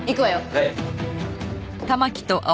はい。